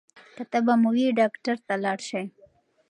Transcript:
که تبه مو وي ډاکټر ته لاړ شئ.